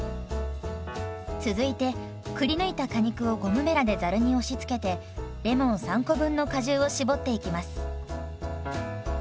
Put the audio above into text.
続いてくりぬいた果肉をゴムべらでざるに押しつけてレモン３個分の果汁を搾っていきます。